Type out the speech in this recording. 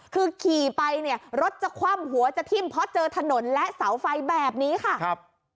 คือขี่ไปเนี่ยรถจะคว่ำหัวจะทิ่มเพราะเจอถนนและเสาไฟแบบนี้ค่ะครับ